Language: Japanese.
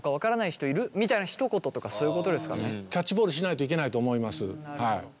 キャッチボールしないといけないと思います。